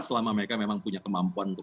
selama mereka memang punya kemampuan untuk